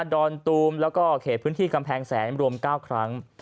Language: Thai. อนตูมแล้วก็เขตพื้นที่กำแพงแสนรวม๙ครั้ง